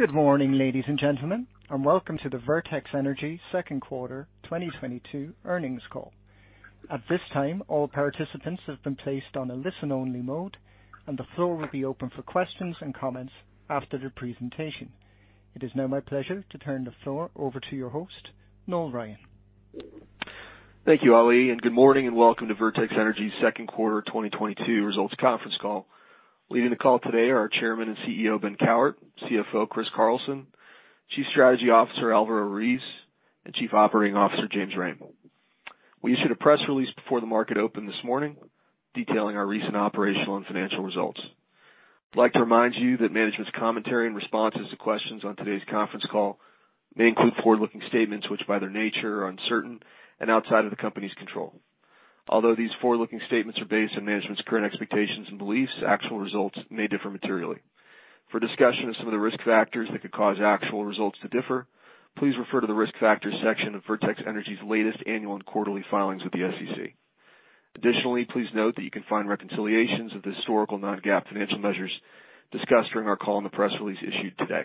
Good morning, ladies and gentlemen, and welcome to the Vertex Energy second quarter 2022 earnings call. At this time, all participants have been placed on a listen-only mode, and the floor will be open for questions and comments after the presentation. It is now my pleasure to turn the floor over to your host, Noel Ryan. Thank you, Ali, and good morning and welcome to Vertex Energy second quarter 2022 results conference call. Leading the call today are our chairman and CEO, Ben Cowart, CFO, Chris Carlson, Chief Strategy Officer, Alvaro Ruiz, and Chief Operating Officer, James Rhame. We issued a press release before the market opened this morning detailing our recent operational and financial results. I'd like to remind you that management's commentary and responses to questions on today's conference call may include forward-looking statements which by their nature are uncertain and outside of the company's control. Although these forward-looking statements are based on management's current expectations and beliefs, actual results may differ materially. For discussion of some of the risk factors that could cause actual results to differ, please refer to the Risk Factors section of Vertex Energy's latest annual and quarterly filings with the SEC. Additionally, please note that you can find reconciliations of the historical non-GAAP financial measures discussed during our call in the press release issued today.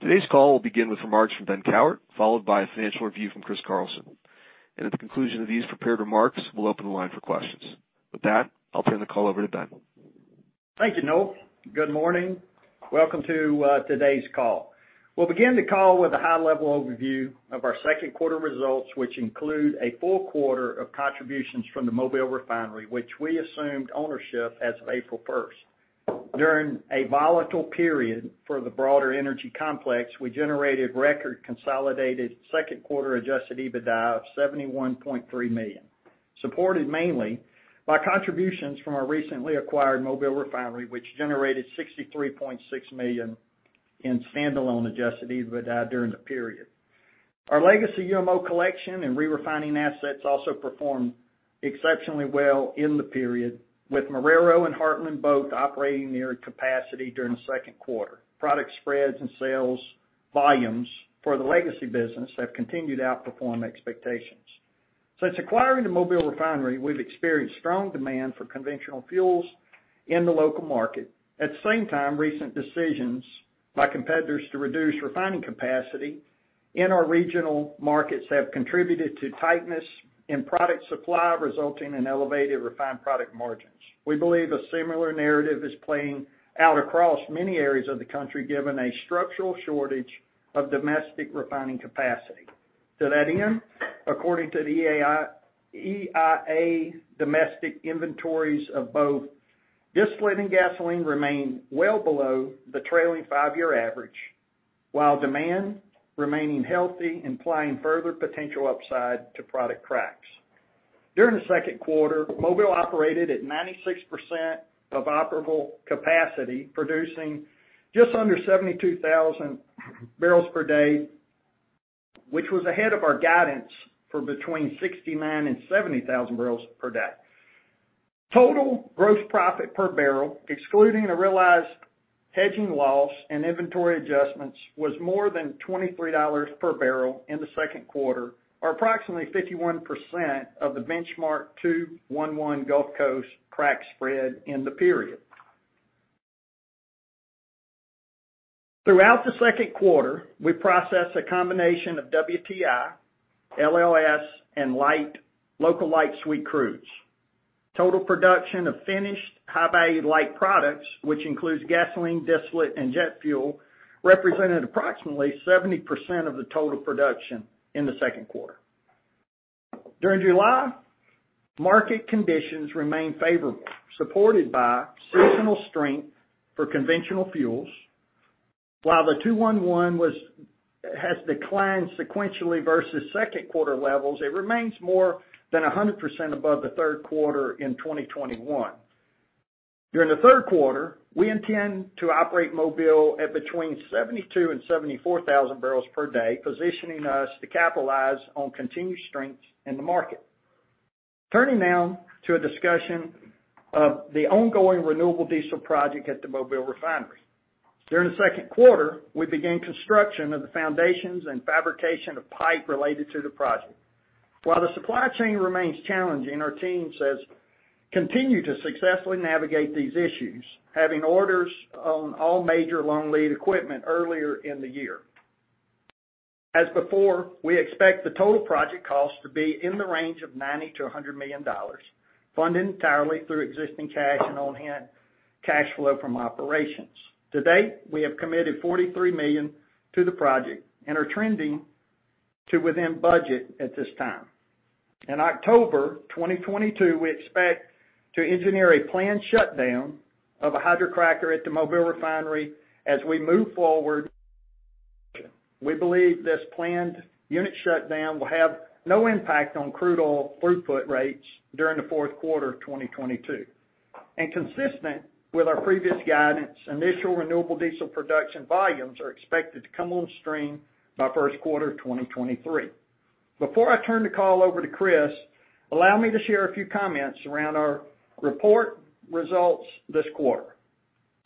Today's call will begin with remarks from Ben Cowart, followed by a financial review from Chris Carlson. At the conclusion of these prepared remarks, we'll open the line for questions. With that, I'll turn the call over to Ben. Thank you, Noel. Good morning. Welcome to today's call. We'll begin the call with a high-level overview of our second quarter results, which include a full quarter of contributions from the Mobile Refinery, which we assumed ownership as of April 1st. During a volatile period for the broader energy complex, we generated record consolidated second-quarter adjusted EBITDA of $71.3 million, supported mainly by contributions from our recently acquired Mobile Refinery, which generated $63.6 million in standalone adjusted EBITDA during the period. Our legacy UMO collection and re-refining assets also performed exceptionally well in the period, with Marrero and Heartland both operating near capacity during the second quarter. Product spreads and sales volumes for the legacy business have continued to outperform expectations. Since acquiring the Mobile Refinery, we've experienced strong demand for conventional fuels in the local market. At the same time, recent decisions by competitors to reduce refining capacity in our regional markets have contributed to tightness in product supply, resulting in elevated refined product margins. We believe a similar narrative is playing out across many areas of the country, given a structural shortage of domestic refining capacity. To that end, according to the EIA, domestic inventories of both distillate and gasoline remain well below the trailing five-year average, while demand remains healthy, implying further potential upside to product cracks. During the second quarter, Mobile operated at 96% of operable capacity, producing just under 72,000 barrels per day, which was ahead of our guidance for between 69,000 and 70,000 barrels per day. Total gross profit per barrel, excluding a realized hedging loss and inventory adjustments, was more than $23 per barrel in the second quarter or approximately 51% of the Benchmark 2-1-1 Gulf Coast crack spread in the period. Throughout the second quarter, we processed a combination of WTI, LLS, and local light sweet crudes. Total production of finished high-value light products, which includes gasoline, distillate, and jet fuel, represented approximately 70% of the total production in the second quarter. During July, market conditions remained favorable, supported by seasonal strength for conventional fuels. While the 2-1-1 has declined sequentially versus second-quarter levels, it remains more than 100% above the third quarter in 2021. During the third quarter, we intend to operate Mobile at between 72,000 and 74,000 barrels per day, positioning us to capitalize on continued strengths in the market. Turning now to a discussion of the ongoing renewable diesel project at the Mobile Refinery. During the second quarter, we began construction of the foundations and fabrication of pipe related to the project. While the supply chain remains challenging, our team continues to successfully navigate these issues, having placed orders on all major long-lead equipment earlier in the year. As before, we expect the total project cost to be in the range of $90 million-$100 million, funded entirely through existing cash on hand and cash flow from operations. To date, we have committed $43 million to the project and are trending within budget at this time. In October 2022, we expect to engineer a planned shutdown of a hydrocracker at the Mobile Refinery as we move forward. We believe this planned unit shutdown will have no impact on crude oil throughput rates during the fourth quarter of 2022. Consistent with our previous guidance, initial renewable diesel production volumes are expected to come on stream by first quarter of 2023. Before I turn the call over to Chris, allow me to share a few comments around our reported results this quarter.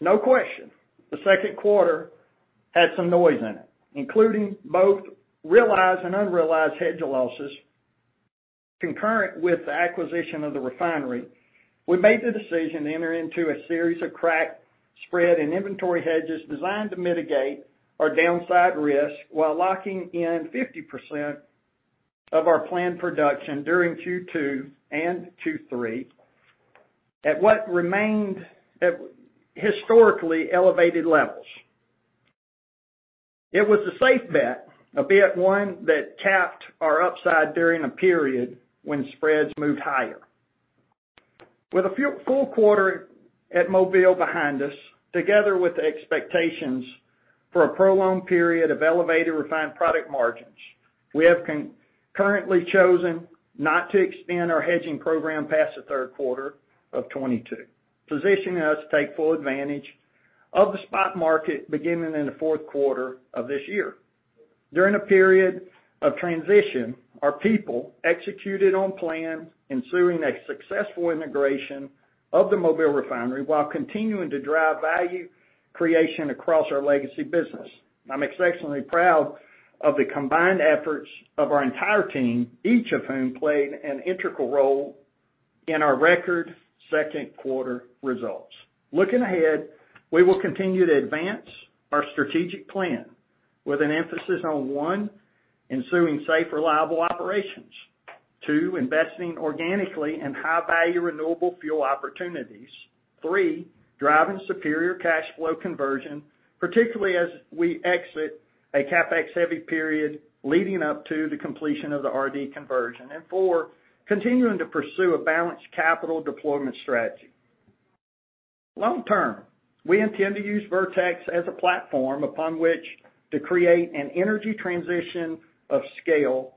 No question, the second quarter had some noise in it, including both realized and unrealized hedge losses. Concurrently with the acquisition of the refinery, we made the decision to enter into a series of crack spread and inventory hedges designed to mitigate our downside risk while locking in 50% of our planned production during Q2 and Q3 at what remained at historically elevated levels. It was a safe bet, albeit one that capped our upside during a period when spreads moved higher. With a full quarter at Mobile behind us, together with the expectations for a prolonged period of elevated refined product margins, we have concurrently chosen not to extend our hedging program past the third quarter of 2022, positioning us to take full advantage of the spot market beginning in the fourth quarter of this year. During a period of transition, our people executed on plan, ensuring a successful integration of the Mobile Refinery while continuing to drive value creation across our legacy business. I'm exceptionally proud of the combined efforts of our entire team, each of whom played an integral role in our record second quarter results. Looking ahead, we will continue to advance our strategic plan with an emphasis on, one, ensuring safe, reliable operations. Two, investing organically in high-value renewable fuel opportunities. Three, driving superior cash flow conversion, particularly as we exit a CapEx-heavy period leading up to the completion of the RD conversion. Four, continuing to pursue a balanced capital deployment strategy. Long term, we intend to use Vertex as a platform upon which to create an energy transition of scale.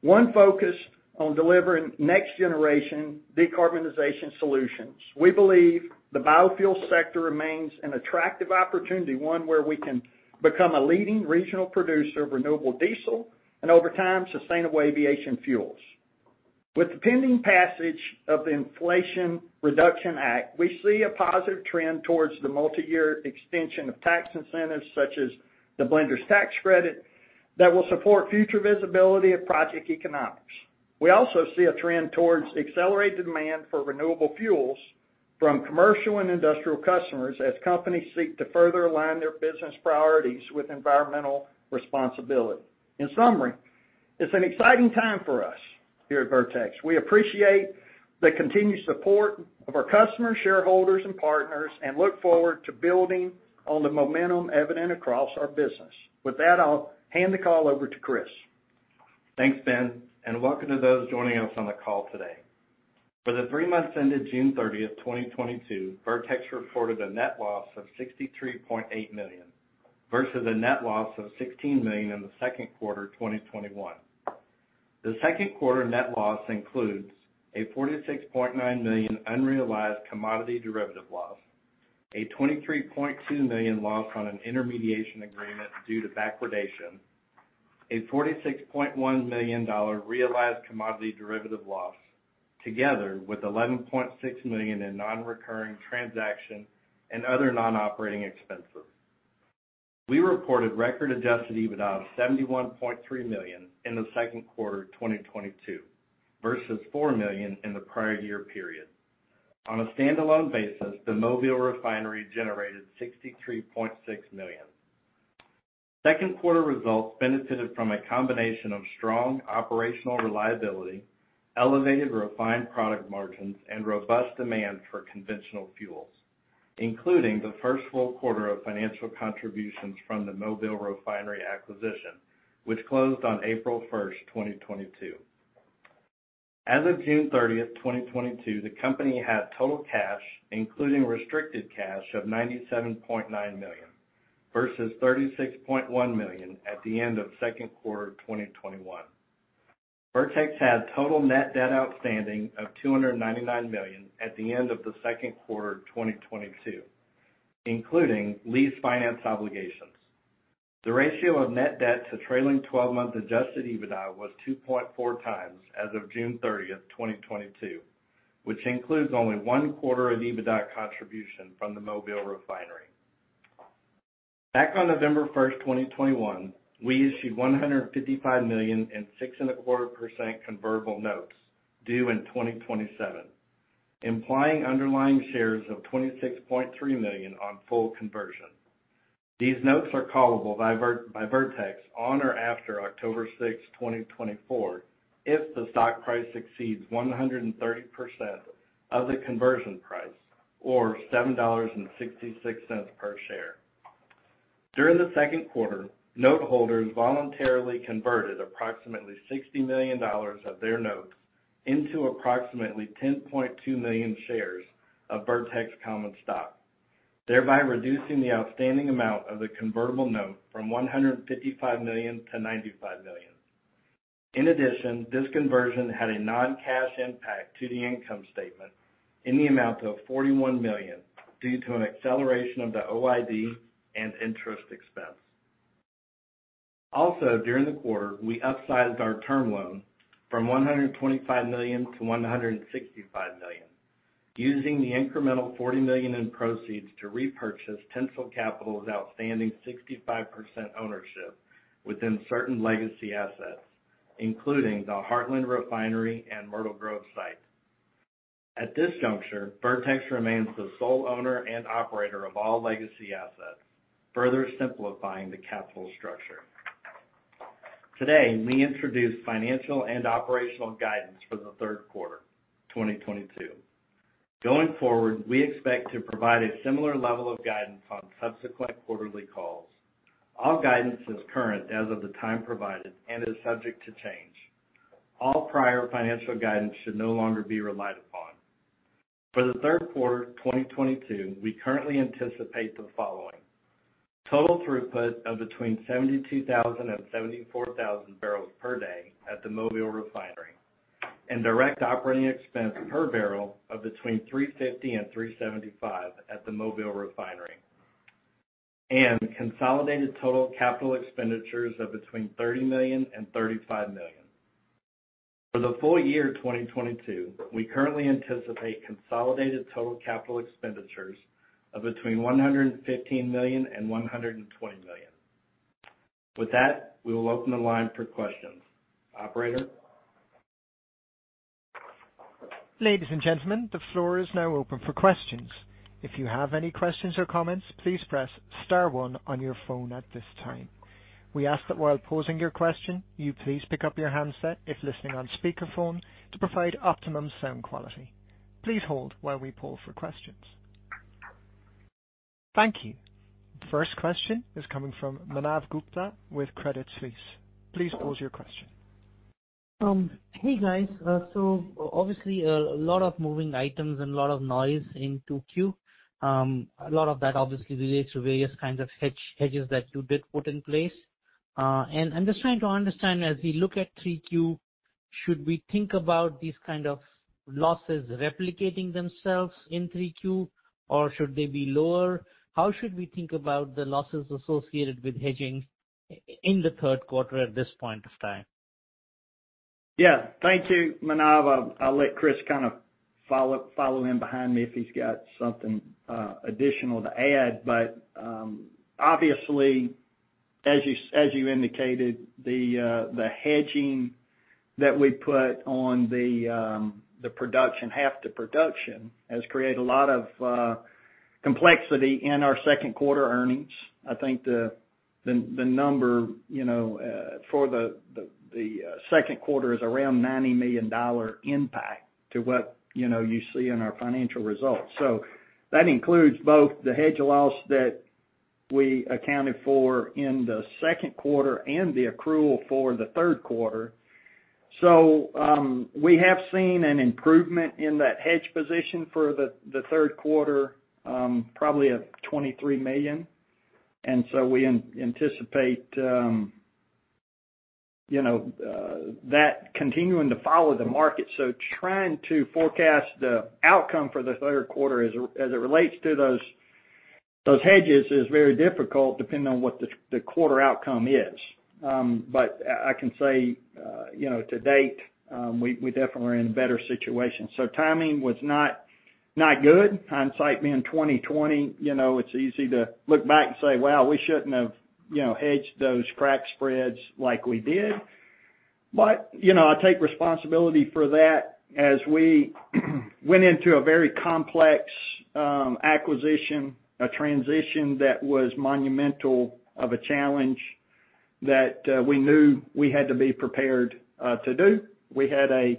One focused on delivering next generation decarbonization solutions. We believe the biofuel sector remains an attractive opportunity, one where we can become a leading regional producer of renewable diesel and over time, sustainable aviation fuels. With the pending passage of the Inflation Reduction Act, we see a positive trend towards the multiyear extension of tax incentives such as the Blenders Tax Credit that will support future visibility of project economics. We also see a trend towards accelerated demand for renewable fuels from commercial and industrial customers as companies seek to further align their business priorities with environmental responsibility. In summary, it's an exciting time for us here at Vertex. We appreciate the continued support of our customers, shareholders and partners, and look forward to building on the momentum evident across our business. With that, I'll hand the call over to Chris. Thanks, Ben, and welcome to those joining us on the call today. For the three months ended June 30th, 2022, Vertex reported a net loss of $63.8 million, versus a net loss of $16 million in the second quarter of 2021. The second quarter net loss includes a $46.9 million unrealized commodity derivative loss, a $23.2 million loss on an intermediation agreement due to backwardation, a $46.1 million realized commodity derivative loss, together with $11.6 million in non-recurring transaction and other non-operating expenses. We reported record adjusted EBITDA of $71.3 million in the second quarter of 2022 versus $4 million in the prior year period. On a standalone basis, the Mobile Refinery generated $63.6 million. Second quarter results benefited from a combination of strong operational reliability, elevated refined product margins, and robust demand for conventional fuels, including the first full quarter of financial contributions from the Mobile Refinery acquisition, which closed on April 1st, 2022. As of June 30th, 2022, the company had total cash, including restricted cash of $97.9 million versus $36.1 million at the end of second quarter of 2021. Vertex had total net debt outstanding of $299 million at the end of the second quarter of 2022, including lease finance obligations. The ratio of net debt to trailing 12-month adjusted EBITDA was 2.4x as of June 30th, 2022, which includes only one quarter of EBITDA contribution from the Mobile Refinery. Back on November 1st, 2021, we issued $155 million in 6.25% convertible notes due 2027, implying underlying shares of 26.3 million on full conversion. These notes are callable by Vertex on or after October 6, 2024, if the stock price exceeds 130% of the conversion price or $7.66 per share. During the second quarter, note holders voluntarily converted approximately $60 million of their notes into approximately 10.2 million shares of Vertex common stock, thereby reducing the outstanding amount of the convertible note from $155 million to $95 million. In addition, this conversion had a non-cash impact to the income statement in the amount of $41 million due to an acceleration of the OID and interest expense. Also, during the quarter, we upsized our term loan from $125 million to $165 million. Using the incremental $40 million in proceeds to repurchase Tensile Capital's outstanding 65% ownership within certain legacy assets, including the Heartland Refinery and Myrtle Grove site. At this juncture, Vertex remains the sole owner and operator of all legacy assets, further simplifying the capital structure. Today, we introduce financial and operational guidance for the third quarter 2022. Going forward, we expect to provide a similar level of guidance on subsequent quarterly calls. All guidance is current as of the time provided and is subject to change. All prior financial guidance should no longer be relied upon. For the third quarter 2022, we currently anticipate the following. Total throughput of between 72,000 and 74,000 barrels per day at the Mobile Refinery and direct operating expense per barrel of between $3.50 and $3.75 at the Mobile Refinery, and consolidated total capital expenditures of between $30 million and $35 million. For the full year 2022, we currently anticipate consolidated total capital expenditures of between $115 million and $120 million. With that, we will open the line for questions. Operator? Ladies and gentlemen, the floor is now open for questions. If you have any questions or comments, please press star one on your phone at this time. We ask that while posing your question, you please pick up your handset if listening on speakerphone to provide optimum sound quality. Please hold while we poll for questions. Thank you. The first question is coming from Manav Gupta with Credit Suisse. Please pose your question. Hey, guys. Obviously, a lot of moving items and a lot of noise in 2Q. A lot of that obviously relates to various kinds of hedges that you did put in place. I'm just trying to understand as we look at 3Q, should we think about these kind of losses replicating themselves in 3Q or should they be lower? How should we think about the losses associated with hedging in the third quarter at this point of time? Yeah. Thank you, Manav. I'll let Chris kind of follow in behind me if he's got something additional to add. Obviously, as you indicated, the hedging that we put on the production—half the production has created a lot of complexity in our second quarter earnings. I think the number, you know, for the second quarter is around $90 million impact to what, you know, you see in our financial results. That includes both the hedge loss that we accounted for in the second quarter and the accrual for the third quarter. We have seen an improvement in that hedge position for the third quarter, probably of $23 million. We anticipate, you know, that continuing to follow the market. Trying to forecast the outcome for the third quarter as it relates to those hedges is very difficult depending on what the quarter outcome is. I can say, you know, to date, we definitely are in a better situation. Timing was not good. Hindsight being 20/20, you know, it's easy to look back and say, "Well, we shouldn't have, you know, hedged those crack spreads like we did." I take responsibility for that as we went into a very complex acquisition, a transition that was a monumental challenge that we knew we had to be prepared to do. We had a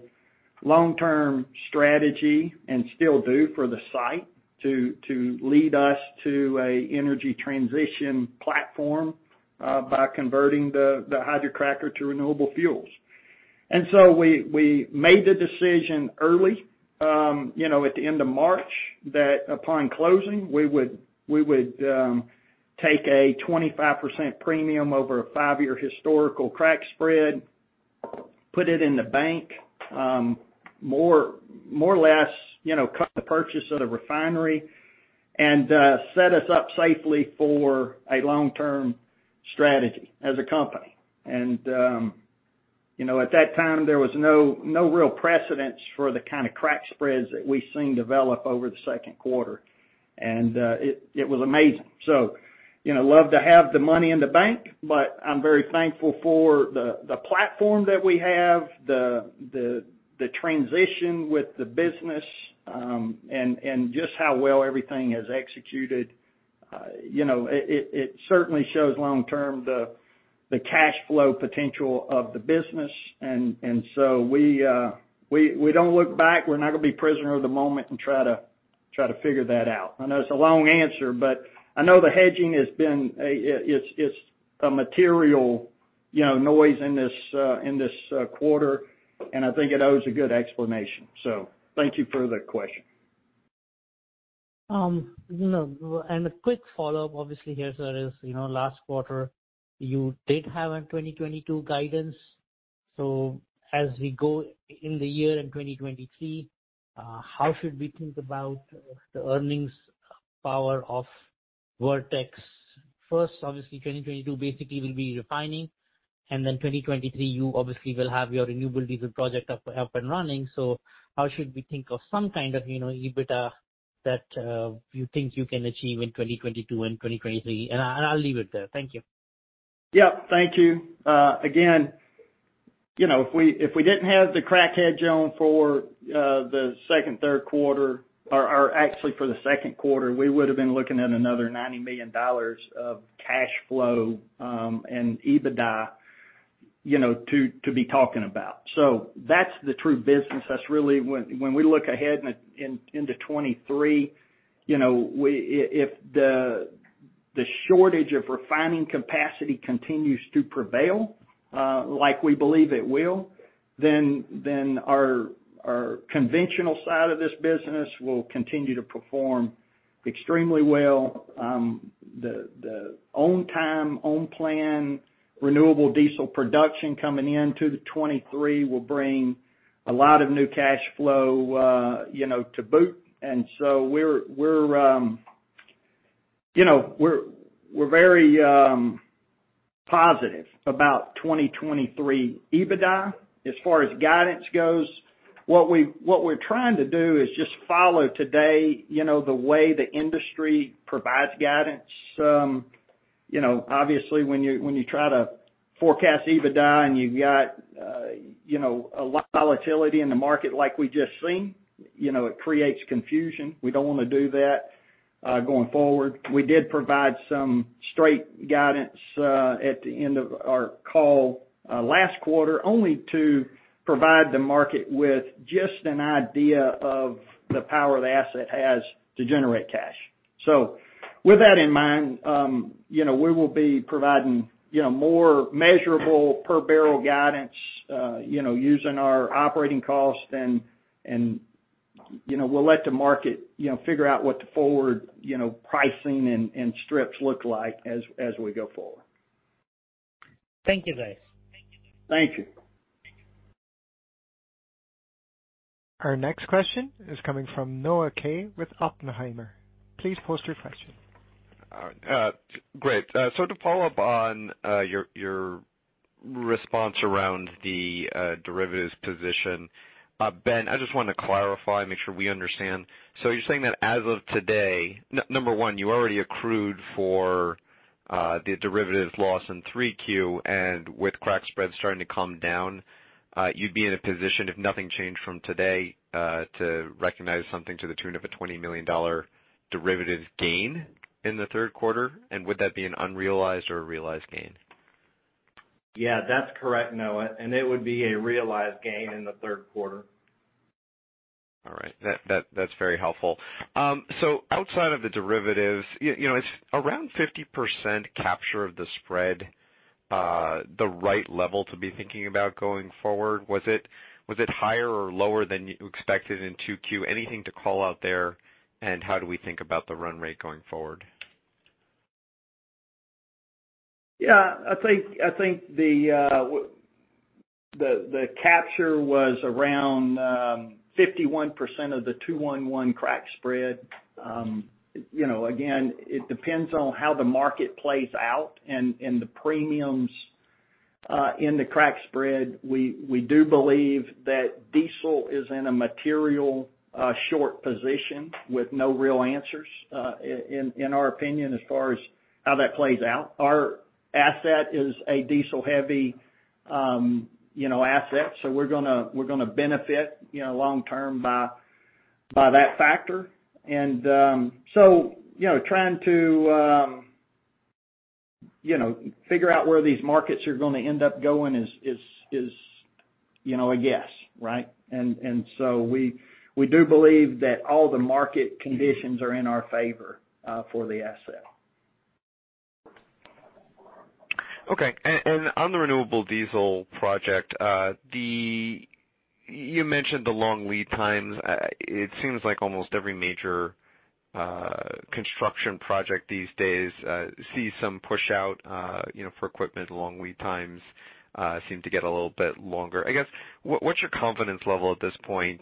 long-term strategy and still do for the site to lead us to an energy transition platform by converting the hydrocracker to renewable fuels. We made the decision early, you know, at the end of March, that upon closing, we would take a 25% premium over a five-year historical crack spread, put it in the bank, more or less, you know, cut the purchase of the refinery and set us up safely for a long-term strategy as a company. You know, at that time, there was no real precedent for the kind of crack spreads that we've seen develop over the second quarter. It was amazing. You know, love to have the money in the bank, but I'm very thankful for the platform that we have, the transition with the business, and just how well everything has executed. You know, it certainly shows long term the cash flow potential of the business. We don't look back. We're not gonna be prisoner of the moment and try to figure that out. I know it's a long answer, but I know the hedging has been a material, you know, noise in this quarter, and I think it owes a good explanation. Thank you for the question. You know, a quick follow-up, obviously here, sir, is, you know, last quarter, you did have a 2022 guidance. So as we go in the year in 2023, how should we think about the earnings power of Vertex? First, obviously, 2022 basically will be refining. Then 2023, you obviously will have your renewable diesel project up and running. So how should we think of some kind of, you know, EBITDA that you think you can achieve in 2022 and 2023? I'll leave it there. Thank you. Yeah. Thank you. Again, you know, if we didn't have the crack spread for the second, third quarter, or actually for the second quarter, we would've been looking at another $90 million of cash flow and EBITDA, you know, to be talking about. That's the true business. That's really when we look ahead into 2023, you know, if the shortage of refining capacity continues to prevail, like we believe it will, then our conventional side of this business will continue to perform extremely well. The on time, on plan renewable diesel production coming into 2023 will bring a lot of new cash flow, you know, to boot. We're very positive about 2023 EBITDA. As far as guidance goes, what we're trying to do is just follow today, you know, the way the industry provides guidance. You know, obviously when you try to forecast EBITDA and you've got, you know, a lot of volatility in the market like we just seen, you know, it creates confusion. We don't wanna do that going forward. We did provide some straight guidance at the end of our call last quarter, only to provide the market with just an idea of the power the asset has to generate cash. With that in mind, you know, we will be providing, you know, more measurable per barrel guidance, using our operating cost and you know, we'll let the market, you know, figure out what the forward, you know, pricing and strips look like as we go forward. Thank you guys. Thank you. Our next question is coming from Noah Kaye with Oppenheimer. Please pose your question. All right. Great. So to follow up on your response around the derivatives position, Ben, I just want to clarify, make sure we understand. You're saying that as of today, number one, you already accrued for the derivatives loss in 3Q, and with crack spread starting to come down, you'd be in a position if nothing changed from today, to recognize something to the tune of a $20 million derivative gain in the third quarter? And would that be an unrealized or a realized gain? Yeah, that's correct, Noah. It would be a realized gain in the third quarter. All right. That's very helpful. So outside of the derivatives, you know, is around 50% capture of the spread the right level to be thinking about going forward? Was it higher or lower than you expected in 2Q? Anything to call out there? How do we think about the run rate going forward? Yeah. I think the capture was around 51% of the 2-1-1 crack spread. You know, again, it depends on how the market plays out and the premiums in the crack spread. We do believe that diesel is in a material short position with no real answers, in our opinion, as far as how that plays out. Our asset is a diesel-heavy asset, so we're gonna benefit, you know, long-term by that factor. So, you know, trying to figure out where these markets are gonna end up going is a guess, right? We do believe that all the market conditions are in our favor for the asset. Okay. On the renewable diesel project, you mentioned the long lead times. It seems like almost every major construction project these days sees some push out, you know, for equipment. Long lead times seem to get a little bit longer. I guess, what's your confidence level at this point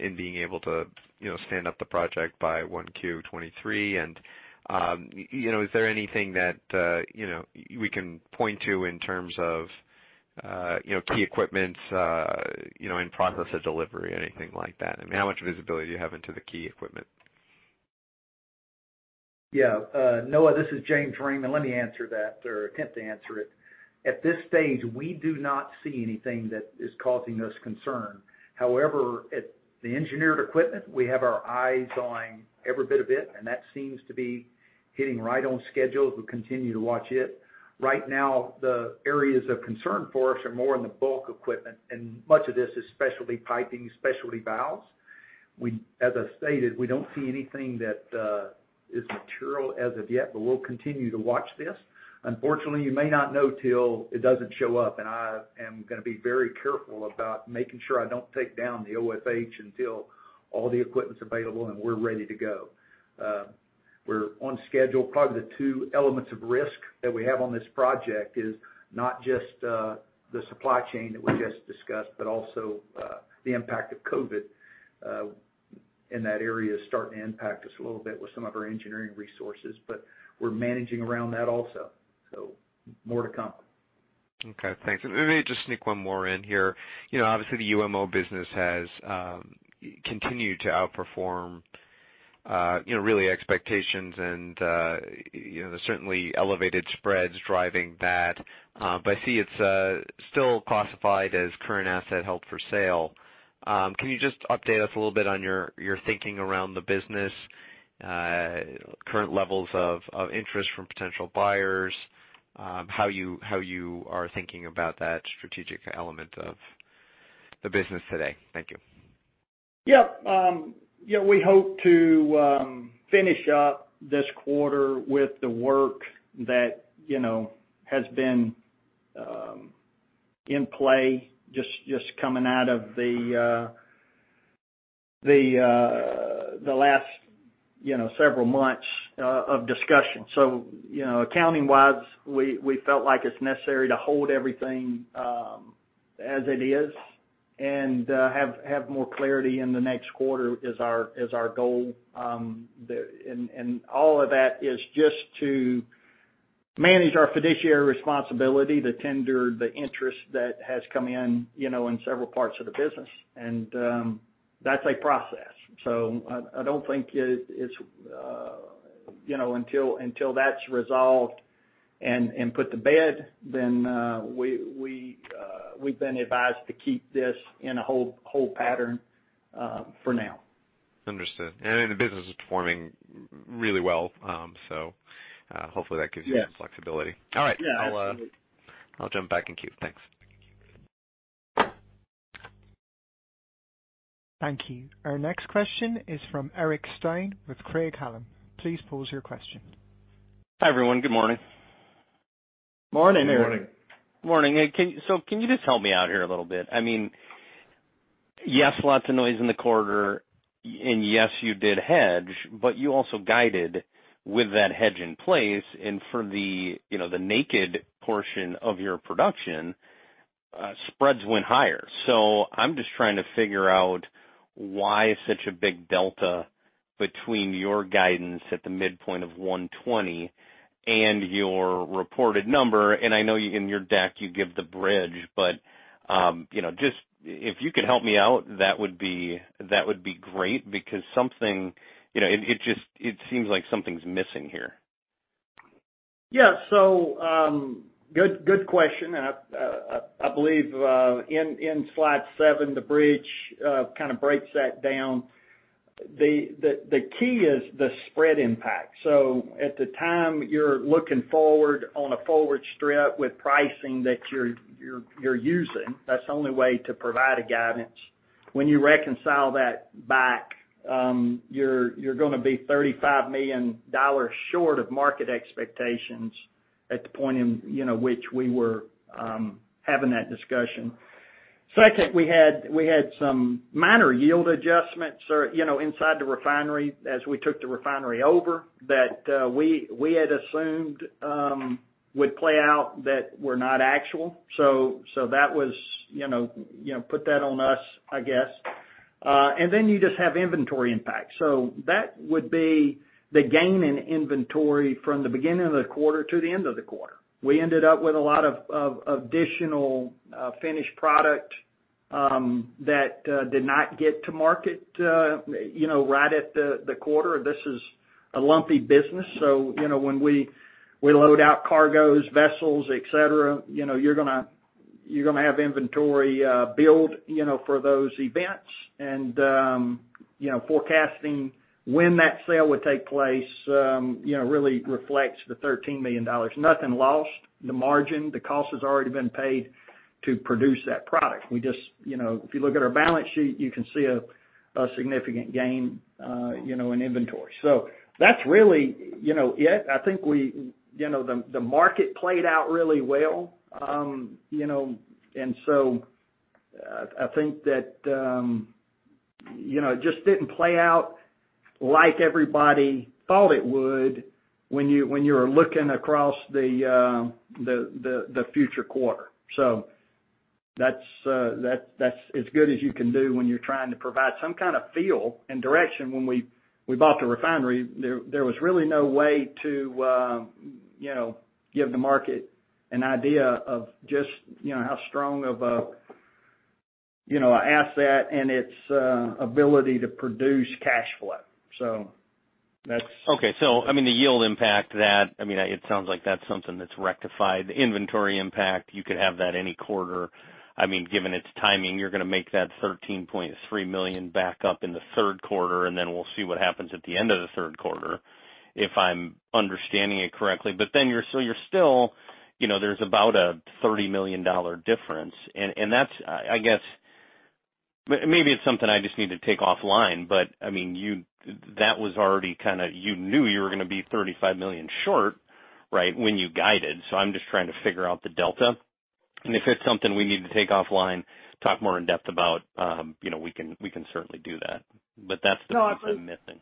in being able to, you know, stand up the project by 1Q 2023? You know, is there anything that, you know, we can point to in terms of, you know, key equipment in process of delivery, anything like that? I mean, how much visibility do you have into the key equipment? Yeah. Noah, this is James Rhame. Let me answer that or attempt to answer it. At this stage, we do not see anything that is causing us concern. However, at the engineered equipment, we have our eyes on every bit of it, and that seems to be hitting right on schedule as we continue to watch it. Right now, the areas of concern for us are more in the bulk equipment, and much of this is specialty piping, specialty valves. As I stated, we don't see anything that is material as of yet, but we'll continue to watch this. Unfortunately, you may not know till it doesn't show up, and I am gonna be very careful about making sure I don't take down the OFH until all the equipment's available and we're ready to go. We're on schedule. Probably the two elements of risk that we have on this project is not just, the supply chain that we just discussed, but also, the impact of COVID. In that area is starting to impact us a little bit with some of our engineering resources, but we're managing around that also. More to come. Okay, thanks. Maybe just sneak one more in here. You know, obviously the UMO business has continued to outperform, you know, really expectations and, you know, certainly elevated spreads driving that. I see it's still classified as current asset held for sale. Can you just update us a little bit on your thinking around the business, current levels of interest from potential buyers, how you are thinking about that strategic element of the business today? Thank you. Yeah. Yeah, we hope to finish up this quarter with the work that, you know, has been in play just coming out of the last, you know, several months of discussion. You know, accounting-wise, we felt like it's necessary to hold everything as it is and have more clarity in the next quarter is our goal. All of that is just to manage our fiduciary responsibility to tender the interest that has come in, you know, in several parts of the business. That's a process. I don't think it's you know until that's resolved and put to bed then we've been advised to keep this in a hold pattern for now. Understood. The business is performing really well, so hopefully that gives you- Yes. Some flexibility. All right. Yeah. Absolutely. I'll jump back in queue. Thanks. Thank you. Our next question is from Eric Stine with Craig-Hallum. Please pose your question. Hi, everyone. Good morning. Morning, Eric. Morning. Morning. Can you just help me out here a little bit? I mean, yes, lots of noise in the quarter, and yes, you did hedge, but you also guided with that hedge in place. For the, you know, the naked portion of your production, spreads went higher. I'm just trying to figure out why such a big delta between your guidance at the midpoint of $120 million and your reported number, and I know in your deck you give the bridge, but, you know, just if you could help me out, that would be great because something. You know, it just seems like something's missing here. Yeah. Good question, and I believe in slide seven, the bridge kind of breaks that down. The key is the spread impact. At the time you're looking forward on a forward strip with pricing that you're using, that's the only way to provide a guidance. When you reconcile that back, you're gonna be $35 million short of market expectations at the point in, you know, which we were having that discussion. Second, we had some minor yield adjustments or, you know, inside the refinery as we took the refinery over that we had assumed would play out that were not actual. That was, you know, put that on us, I guess. Then you just have inventory impact. That would be the gain in inventory from the beginning of the quarter to the end of the quarter. We ended up with a lot of additional finished product that did not get to market, you know, right at the quarter. This is a lumpy business, you know, when we load out cargos, vessels, et cetera, you know, you're gonna have inventory build, you know, for those events. You know, forecasting when that sale would take place, you know, really reflects the $13 million. Nothing lost. The margin, the cost has already been paid to produce that product. We just, you know, if you look at our balance sheet, you can see a significant gain, you know, in inventory. That's really, you know, it. I think we, you know, the market played out really well. You know, I think that, you know, it just didn't play out like everybody thought it would when you were looking across the future quarter. That's as good as you can do when you're trying to provide some kind of feel and direction. When we bought the refinery, there was really no way to, you know, give the market an idea of just, you know, how strong of a, you know, asset and its ability to produce cash flow. That's... Okay. I mean, the yield impact that, I mean, it sounds like that's something that's rectified. The inventory impact, you could have that any quarter. I mean, given its timing, you're gonna make that $13.3 million back up in the third quarter, and then we'll see what happens at the end of the third quarter, if I'm understanding it correctly. You're still, you know, there's about a $30 million difference. That's, I guess. Maybe it's something I just need to take offline, but I mean, that was already kinda, you knew you were gonna be $35 million short, right, when you guided. I'm just trying to figure out the delta. If it's something we need to take offline, talk more in depth about, you know, we can certainly do that. That's the piece I'm missing.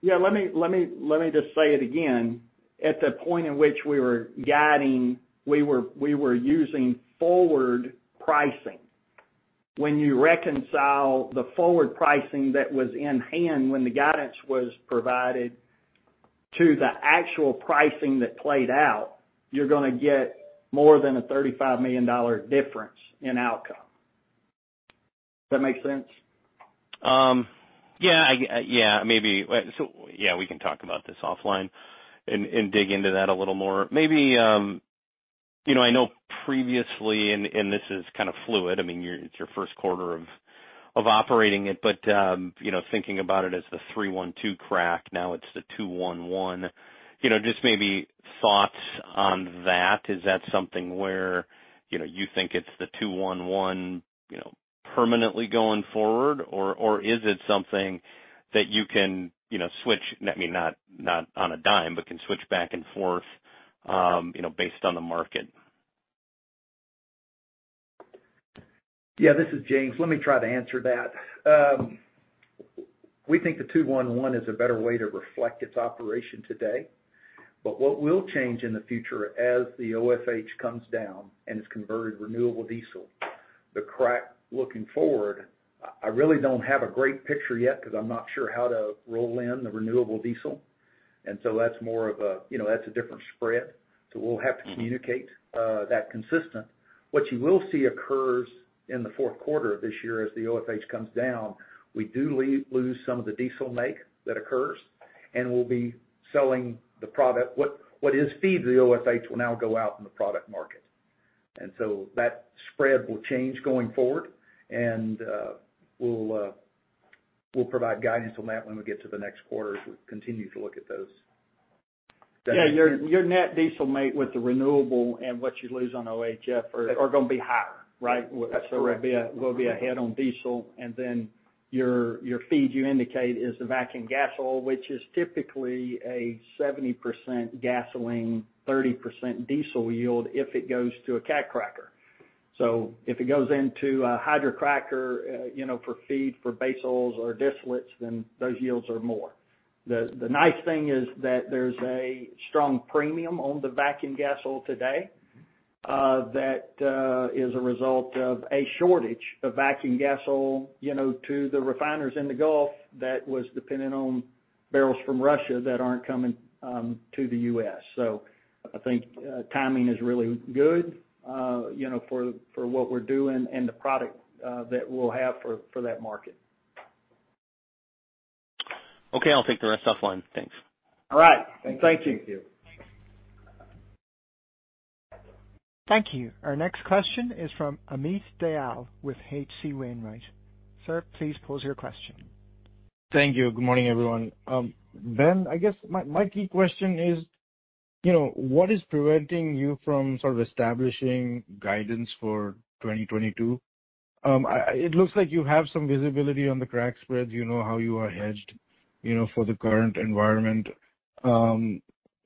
Yeah, let me just say it again. At the point in which we were guiding, we were using forward pricing. When you reconcile the forward pricing that was in hand when the guidance was provided to the actual pricing that played out, you're gonna get more than a $35 million difference in outcome. Does that make sense? Yeah, maybe. We can talk about this offline and dig into that a little more. Maybe, you know, I know previously, and this is kind of fluid. I mean, it's your first quarter of operating it, but, you know, thinking about it as the 3-1-2 crack. Now it's the 2-1-1. You know, just maybe thoughts on that. Is that something where, you know, you think it's the 2-1-1, you know, permanently going forward? Or is it something that you can, you know, switch? I mean, not on a dime, but can switch back and forth, you know, based on the market? Yeah, this is James. Let me try to answer that. We think the 2-1-1 is a better way to reflect its operation today. What will change in the future as the OFH comes down and is converted renewable diesel, the crack looking forward, I really don't have a great picture yet 'cause I'm not sure how to roll in the renewable diesel. That's more of a, you know, that's a different spread, so we'll have to communicate that consistently. What you will see occurs in the fourth quarter of this year as the OFH comes down, we do lose some of the diesel make that occurs, and we'll be selling the product. What is fed to the OFH will now go out in the product market. That spread will change going forward, and we'll provide guidance on that when we get to the next quarter as we continue to look at those. Yeah, your net diesel make with the renewable and what you lose on OFH are gonna be higher. Right? That's correct. It will be a heavy on diesel, and then your feed you indicate is the vacuum gas oil, which is typically a 70% gasoline, 30% diesel yield if it goes to a cat cracker. If it goes into a hydrocracker, you know, for feed for base oils or distillates, then those yields are more. The nice thing is that there's a strong premium on the vacuum gas oil today that is a result of a shortage of vacuum gas oil, you know, to the refiners in the Gulf that was dependent on barrels from Russia that aren't coming to the U.S. I think timing is really good, you know, for what we're doing and the product that we'll have for that market. Okay, I'll take the rest offline. Thanks. All right. Thank you. Thank you. Thank you. Our next question is from Amit Dayal with H.C. Wainwright. Sir, please pose your question. Thank you. Good morning, everyone. Ben, I guess my key question is, you know, what is preventing you from sort of establishing guidance for 2022? It looks like you have some visibility on the crack spreads, you know how you are hedged, you know, for the current environment.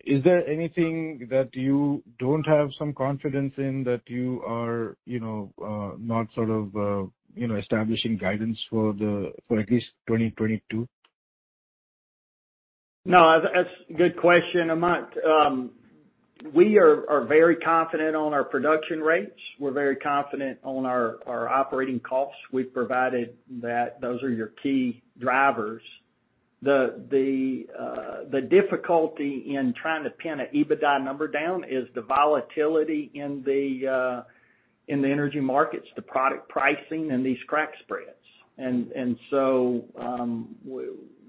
Is there anything that you don't have some confidence in that you are, you know, not sort of, you know, establishing guidance for at least 2022? No, that's a good question, Amit. We are very confident on our production rates. We're very confident on our operating costs. We've provided that those are your key drivers. The difficulty in trying to pin an EBITDA number down is the volatility in the energy markets, the product pricing and these crack spreads.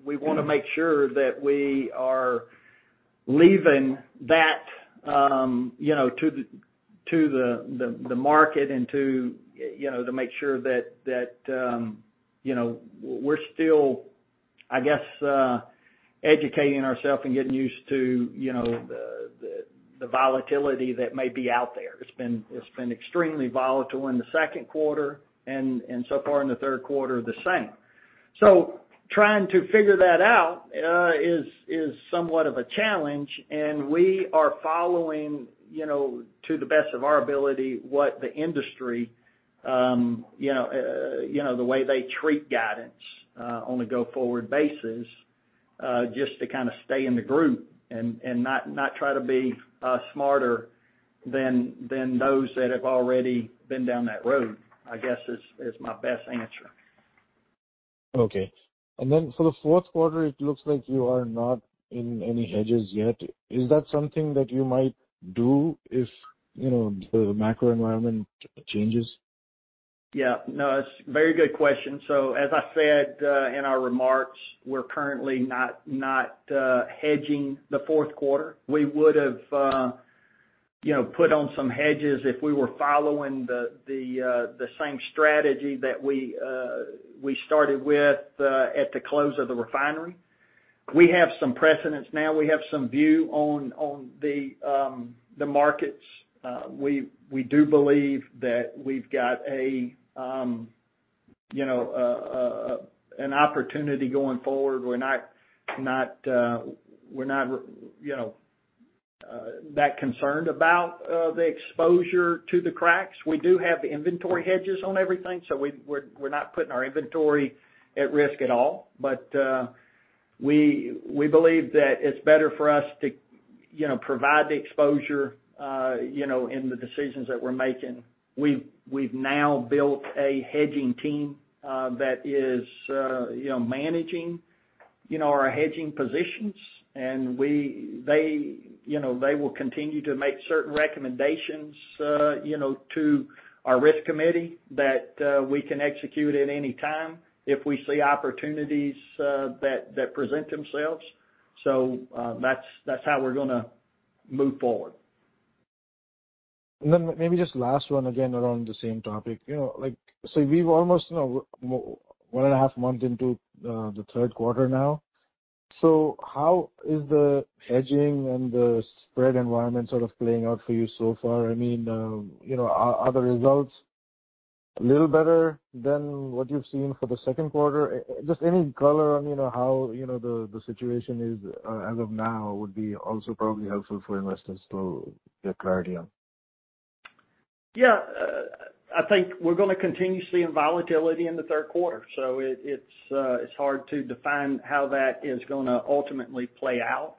We wanna make sure that we are leaving that, you know, to the market and, you know, to make sure that we're still, I guess, educating ourselves and getting used to, you know, the volatility that may be out there. It's been extremely volatile in the second quarter and so far in the third quarter the same. Trying to figure that out is somewhat of a challenge and we are following, you know, to the best of our ability, what the industry, you know, you know, the way they treat guidance on a go-forward basis, just to kind of stay in the group and not try to be smarter than those that have already been down that road, I guess is my best answer. Okay. For the fourth quarter, it looks like you are not in any hedges yet. Is that something that you might do if, you know, the macro environment changes? No, it's a very good question. As I said in our remarks, we're currently not hedging the fourth quarter. We would have you know put on some hedges if we were following the same strategy that we started with at the close of the refinery. We have some precedent now. We have some view on the markets. We do believe that we've got an opportunity going forward. We're not you know that concerned about the exposure to the cracks. We do have inventory hedges on everything, so we're not putting our inventory at risk at all. We believe that it's better for us to, you know, provide the exposure, you know, in the decisions that we're making. We've now built a hedging team that is, you know, managing, you know, our hedging positions. They, you know, will continue to make certain recommendations, you know, to our risk committee that we can execute at any time if we see opportunities that present themselves. That's how we're gonna move forward. Then maybe just last one again around the same topic. You know, like, we've almost, you know, 1.5 months into the third quarter now. How is the hedging and the spread environment sort of playing out for you so far? I mean, you know, are the results a little better than what you've seen for the second quarter? Just any color on, you know, how, you know, the situation is as of now would be also probably helpful for investors to get clarity on. Yeah. I think we're gonna continue seeing volatility in the third quarter, so it's hard to define how that is gonna ultimately play out.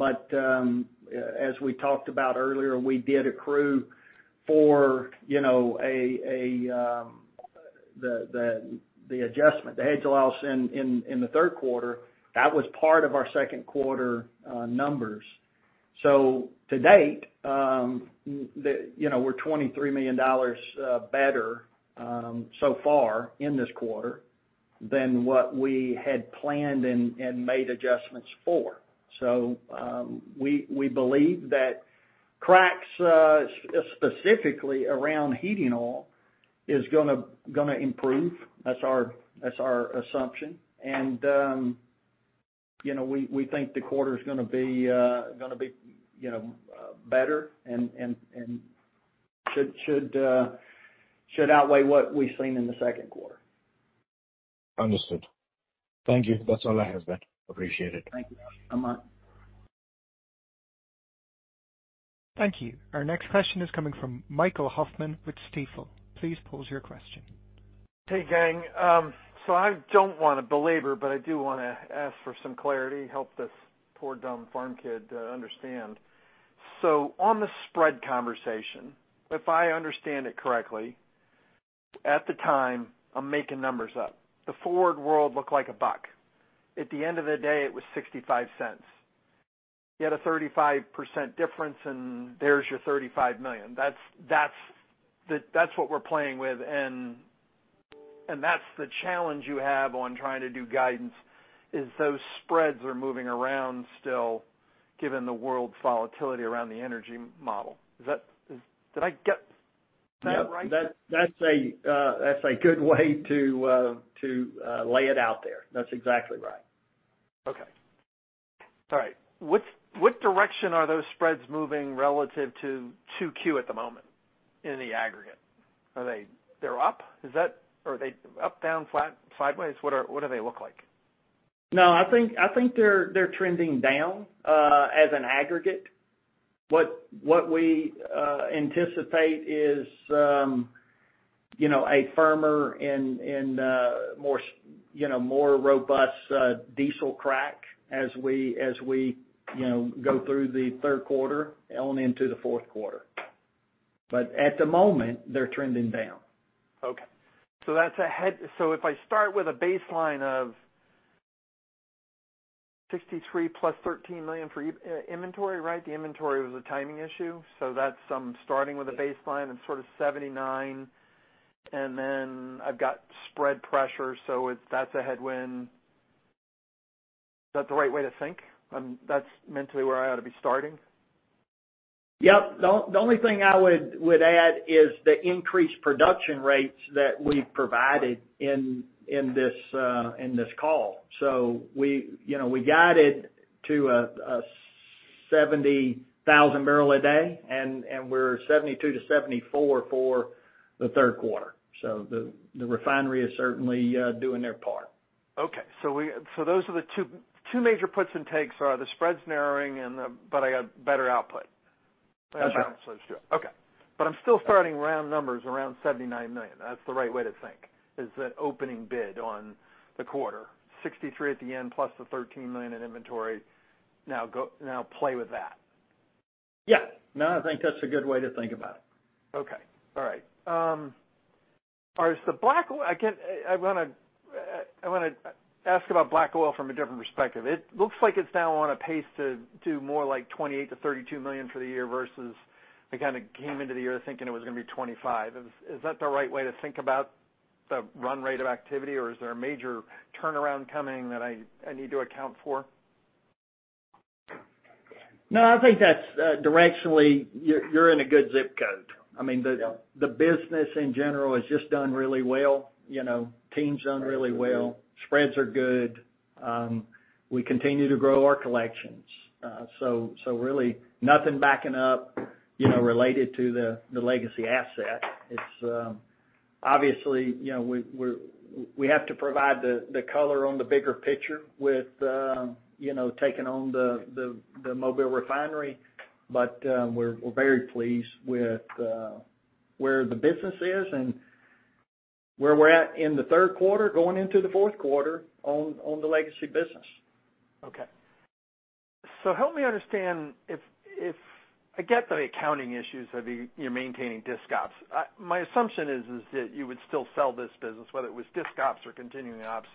As we talked about earlier, we did accrue for, you know, the adjustment, the hedge loss in the third quarter. That was part of our second quarter numbers. To date, you know, we're $23 million better so far in this quarter than what we had planned and made adjustments for. We believe that cracks specifically around heating oil is gonna improve. That's our assumption. You know, we think the quarter's gonna be, you know, better and should outweigh what we've seen in the second quarter. Understood. Thank you. That's all I have, Ben. Appreciate it. Thank you, Amit Dayal. Thank you. Our next question is coming from Michael Hoffman with Stifel. Please pose your question. Hey, gang. I don't wanna belabor, but I do wanna ask for some clarity, help this poor dumb farm kid to understand. On the spread conversation, if I understand it correctly, at the time, I'm making numbers up, the forward curve looked like $1. At the end of the day, it was $0.65. You had a 35% difference, and there's your $35 million. That's what we're playing with, and that's the challenge you have on trying to do guidance, is those spreads are moving around still given the world's volatility around the energy market. Did I get that right? Yeah. That's a good way to lay it out there. That's exactly right. Okay. All right. What direction are those spreads moving relative to 2Q at the moment in the aggregate? Are they up, down, flat, sideways? What do they look like? No. I think they're trending down as an aggregate. What we anticipate is, you know, a firmer and more robust diesel crack as we, you know, go through the third quarter on into the fourth quarter. But at the moment, they're trending down. If I start with a baseline of $63 million + $13 million for inventory, right? The inventory was a timing issue. That's starting with a baseline of sort of $79 million, and then I've got spread pressure. It's a headwind. Is that the right way to think? That's mentally where I ought to be starting? Yep. The only thing I would add is the increased production rates that we've provided in this call. We, you know, guided to 70,000 barrels a day, and we're 72,000-74,000 for the third quarter. The refinery is certainly doing their part. Those are the two major puts and takes are the spread's narrowing and but I got better output. That's right. Okay. I'm still starting round numbers around $79 million. That's the right way to think is that opening bid on the quarter. $63 million at the end plus the $13 million in inventory. Now play with that. Yeah. No, I think that's a good way to think about it. Okay. All right. I wanna ask about black oil from a different perspective. It looks like it's now on a pace to do more like $28 million-$32 million for the year versus I kinda came into the year thinking it was gonna be $25 million. Is that the right way to think about the run rate of activity, or is there a major turnaround coming that I need to account for? No, I think that's, directionally, you're in a good ZIP code. I mean. Yeah The business in general has just done really well. You know, team's done really well. Spreads are good. We continue to grow our collections. Really nothing backing up, you know, related to the legacy asset. It's obviously, you know, we have to provide the color on the bigger picture with, you know, taking on the mobile refinery. We're very pleased with where the business is and where we're at in the third quarter going into the fourth quarter on the legacy business. Okay. Help me understand if I get the accounting issues of you maintaining disc ops. My assumption is that you would still sell this business, whether it was disc ops or continuing ops.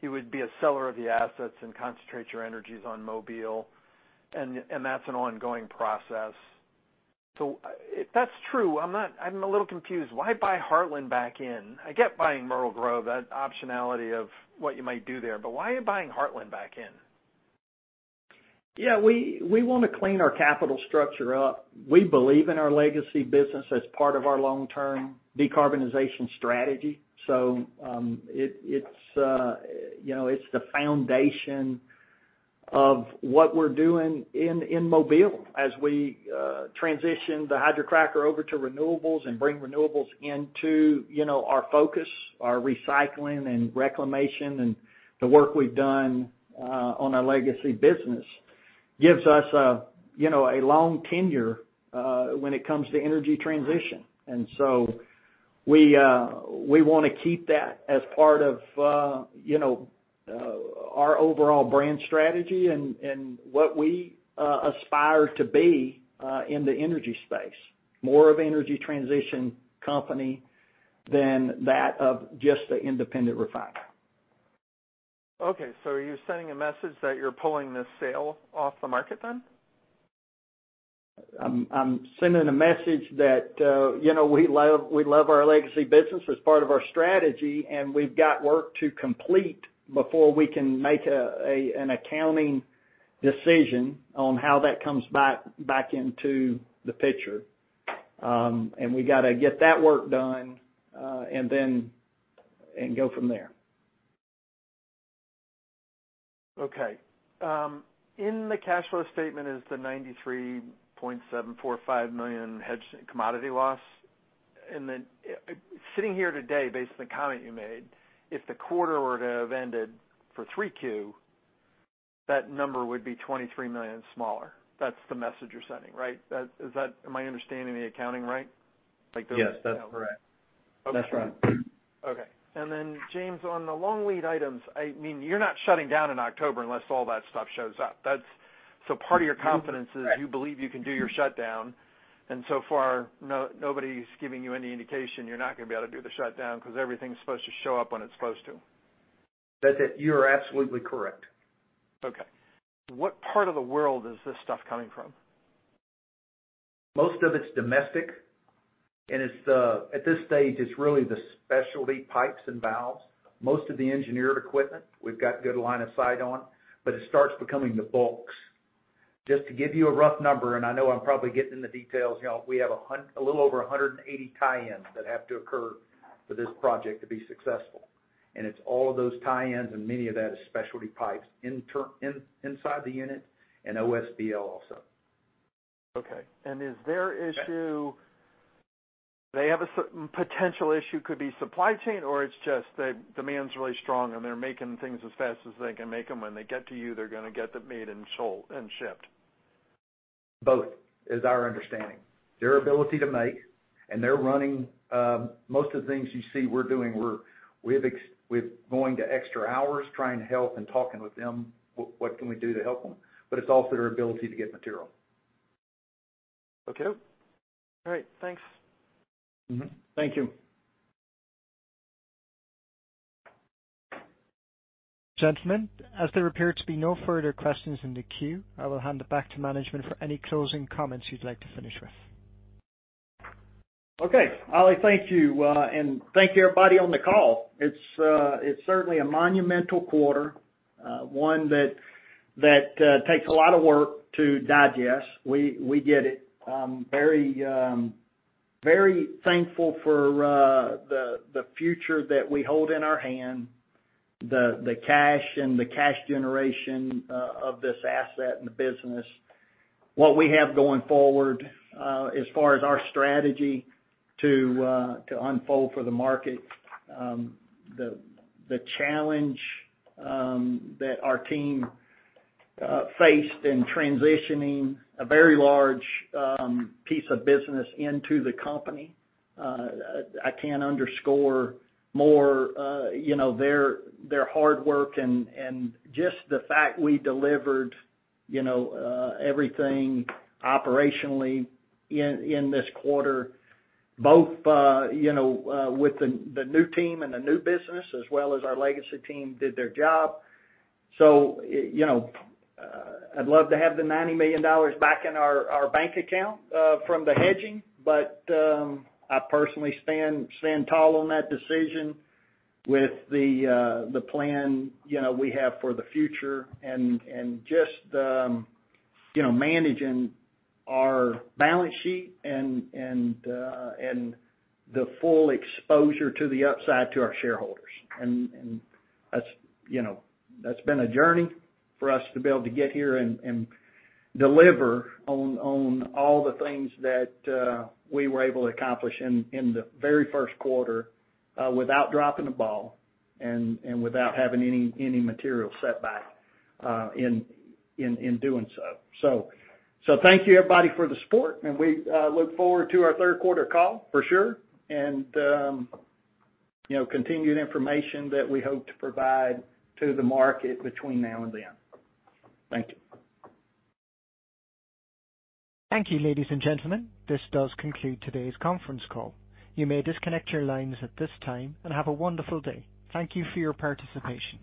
You would be a seller of the assets and concentrate your energies on Mobile, and that's an ongoing process. If that's true, I'm a little confused. Why buy Heartland back in? I get buying Myrtle Grove, that optionality of what you might do there, but why are you buying Heartland back in? Yeah, we wanna clean our capital structure up. We believe in our legacy business as part of our long-term decarbonization strategy. It's, you know, it's the foundation of what we're doing in Mobile as we transition the hydrocracker over to renewables and bring renewables into, you know, our focus, our recycling and reclamation and the work we've done on our legacy business gives us, you know, a long tenure when it comes to energy transition. We wanna keep that as part of, you know, our overall brand strategy and what we aspire to be in the energy space, more of energy transition company than that of just the independent refiner. Okay, are you sending a message that you're pulling this sale off the market then? I'm sending a message that, you know, we love our legacy business as part of our strategy, and we've got work to complete before we can make an accounting decision on how that comes back into the picture. We gotta get that work done, and then go from there. Okay. In the cash flow statement is the $93.745 million hedge commodity loss. Then, sitting here today, based on the comment you made, if the quarter were to have ended for 3Q, that number would be $23 million smaller. That's the message you're sending, right? Is that. Am I understanding the accounting right? Like the. Yes, that's correct. Okay. That's right. Okay. James, on the long lead items, I mean, you're not shutting down in October unless all that stuff shows up. That's part of your confidence is you believe you can do your shutdown, and so far, nobody's giving you any indication you're not gonna be able to do the shutdown 'cause everything's supposed to show up when it's supposed to. That's it. You are absolutely correct. Okay. What part of the world is this stuff coming from? Most of it's domestic. At this stage, it's really the specialty pipes and valves. Most of the engineered equipment we've got good line of sight on, but it starts becoming the bulks. Just to give you a rough number, and I know I'm probably getting in the details, you know, we have a little over 180 tie-ins that have to occur for this project to be successful. It's all of those tie-ins, and many of that is specialty pipes inside the unit and OSBL also. Okay. Is their issue? They have a certain potential issue, could be supply chain, or it's just that demand's really strong and they're making things as fast as they can make them. When they get to you, they're gonna get them made and sold and shipped. That's our understanding. Their ability to make, and they're running most of the things you see we're doing. We're going the extra mile trying to help and talking with them, what can we do to help them? It's also their ability to get material. Okay. All right. Thanks. Thank you. Gentlemen, as there appear to be no further questions in the queue, I will hand it back to management for any closing comments you'd like to finish with. Okay. Ali, thank you, and thank you, everybody on the call. It's certainly a monumental quarter, one that takes a lot of work to digest. We get it. Very thankful for the future that we hold in our hand, the cash and the cash generation of this asset and the business. What we have going forward, as far as our strategy to unfold for the market, the challenge that our team faced in transitioning a very large piece of business into the company, I can't underscore more, you know, their hard work and just the fact we delivered, you know, everything operationally in this quarter, both you know, with the new team and the new business, as well as our legacy team did their job. You know, I'd love to have the $90 million back in our bank account from the hedging, but I personally stand tall on that decision with the plan you know we have for the future and just you know managing our balance sheet and the full exposure to the upside to our shareholders. That's you know been a journey for us to be able to get here and deliver on all the things that we were able to accomplish in the very first quarter without dropping the ball and without having any material setback in doing so. Thank you, everybody, for the support, and we look forward to our third quarter call for sure, and you know, continued information that we hope to provide to the market between now and then. Thank you. Thank you, ladies and gentlemen. This does conclude today's conference call. You may disconnect your lines at this time, and have a wonderful day. Thank you for your participation.